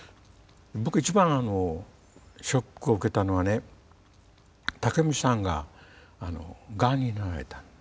僕一番のショックを受けたのはね武満さんががんになられたと。